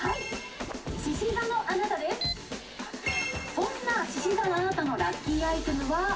そんなしし座のあなたのラッキーアイテムは。